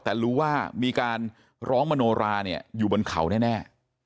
แต่รู้ว่ามีการร้องมโนราอยู่บนเขาแน่